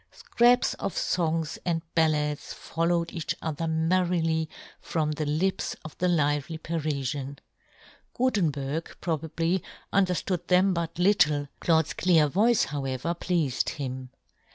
Scraps of fongs and ballads fol lowed each other merrily from the lips of the lively Parifian. Guten berg, probably, underftood them but yohn Gutenberg. 1 1 3 little ; Claude's clear voice, however, pleafed him.